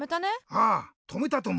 ああとめたとも。